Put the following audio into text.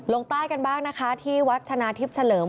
ลงใต้กันบ้างนะคะที่วัดชนะทิพย์เฉลิม